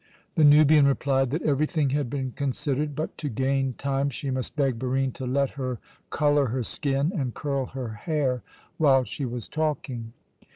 The Nubian replied that everything had been considered; but, to gain time, she must beg Barine to let her colour her skin and curl her hair while she was talking.